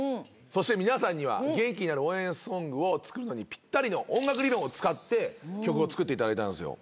そして皆さんには元気になる応援ソングを作るのにぴったりの音楽理論を使って曲を作っていただいたんですよ。